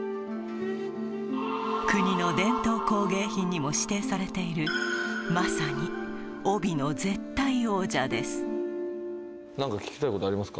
国の伝統工芸品にも指定されているまさに帯の絶対王者です何か聞きたいことありますか？